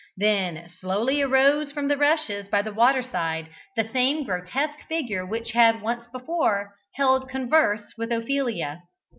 Then slowly arose from the rushes by the waterside the same grotesque figure which had once before held converse with Ophelia.